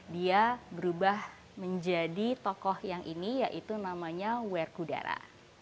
dia berubah menjadi tokoh yang ini yaitu namanya werkudara